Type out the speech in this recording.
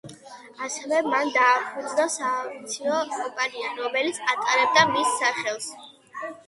ასევე მან დააფუძნა საავიაციო კომპანია, რომელიც ატარებდა მის სახელს.